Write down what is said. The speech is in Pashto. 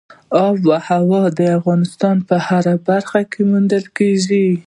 آب وهوا د افغانستان په هره برخه کې موندل کېږي.